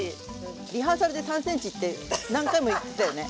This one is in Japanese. リハーサルで３ｃｍって何回も言ってたよね？